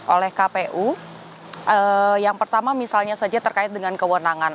oleh kpu yang pertama misalnya saja terkait dengan kewenangan